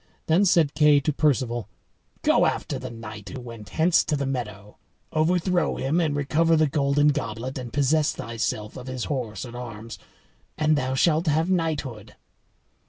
Then said Kay to Perceval, "Go after the knight who went hence to the meadow, overthrow him and recover the golden goblet, and possess thyself of his horse and arms, and thou shalt have knighthood."